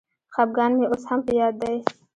خپګان مي اوس هم په یاد دی.